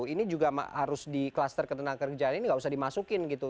ini juga harus di kluster ketenaga kerjaan ini nggak usah dimasukin gitu